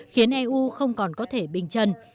khiến eu không còn có thể bình chân